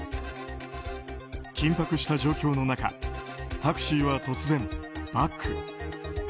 緊迫した状況の中タクシーは突然バック。